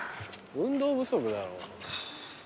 運動不足だろ。